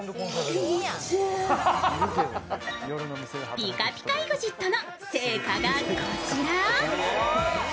ピカピカＥＸＩＴの成果がこちら。